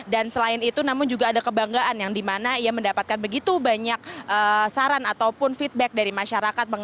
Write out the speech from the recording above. dan selain itu namun juga ada kebanggaan yang dimana ia mendapatkan begitu banyak saran ataupun feedback dari masyarakat